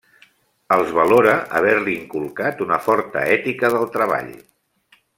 Els valora haver-li inculcat una forta ètica del treball.